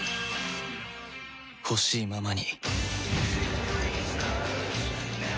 ほしいままに